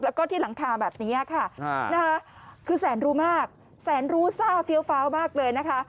แล้วก็ที่หลังคาแบบนี้ค่ะคือแสนรู้มากแสนรู้ซ่าเฟี้ยวฟ้าวมากเลยนะคะ